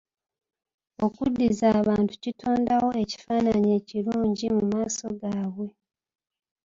Okuddiza abantu kitondawo ekifaananyi ekirungi mu maaso gaabwe.